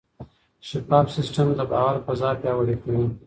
شفاف سیستم د باور فضا پیاوړې کوي.